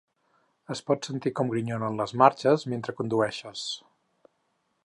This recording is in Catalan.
Es pot sentir com grinyolen les marxes mentre condueixes.